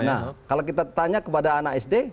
nah kalau kita tanya kepada anak sd